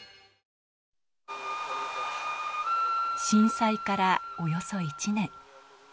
震災からおよそ１年。